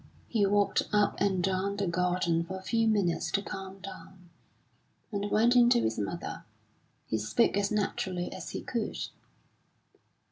He walked up and down the garden for a few minutes to calm down, and went in to his mother. He spoke as naturally as he could.